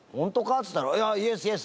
っつったら。